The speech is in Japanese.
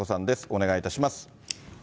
お願いいたします。